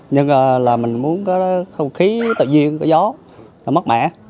nhưng là mình muốn có không khí tự nhiên có gió nó mát mẻ